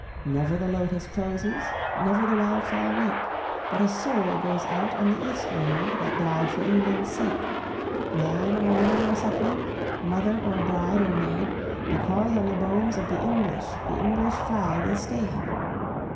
"Never the lotos closes, never the wild fowl wake, But a soul goes out on the East Wind that died for England's sake Man or woman or suckling, mother or bride or maid Because on the bones of the English the English Flag is stayed.